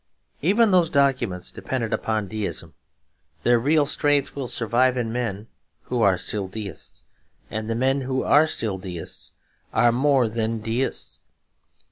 Even those documents depended upon Deism; their real strength will survive in men who are still Deists; and the men who are still Deists are more than Deists.